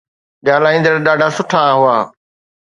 ڳالهائيندڙ ڏاڍا سٺا هئا.